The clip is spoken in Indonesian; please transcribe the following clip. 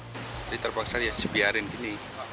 jadi terpaksa ya dibiarin ini